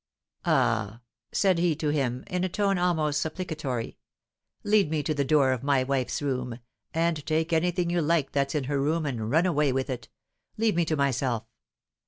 "Ah," said he to him, in a tone almost supplicatory, "lead me to the door of my wife's room, and take anything you like that's in her room and run away with it! leave me to myself.